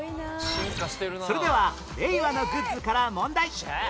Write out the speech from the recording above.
それでは令和のグッズから問題